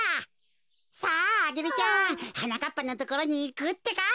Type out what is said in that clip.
さあアゲルちゃんはなかっぱのところにいくってか。